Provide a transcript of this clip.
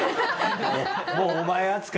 もうお前扱い。